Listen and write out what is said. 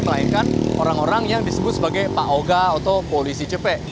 melainkan orang orang yang disebut sebagai pak oga atau polisi cepe